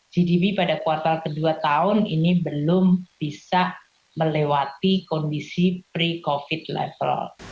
gdp pada kuartal kedua tahun ini belum bisa melewati kondisi pre covid level